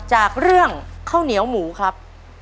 จากเรื่องข้าวเหนียวหมูครับ